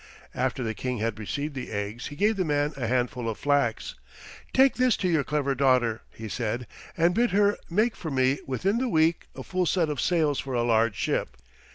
After the King had received the eggs he gave the man a handful of flax. "Take this to your clever daughter," he said, "and bid her make for me within the week a full set of sails for a large ship.